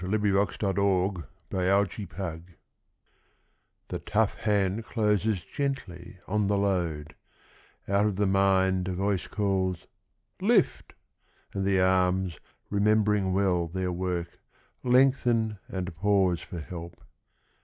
62 MAN CARRYING BALE r I ^HE tough hand closes gently on the load ; X Out of the mind, a voice Calls " Lift !" and the arms, remembering well their work, Lengthen and pause for help.